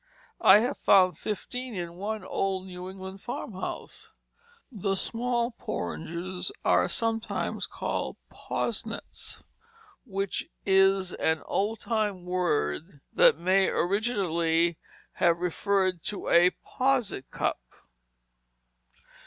I have found fifteen in one old New England farmhouse. The small porringers are sometimes called posnets, which is an old time word that may originally have referred to a posset cup.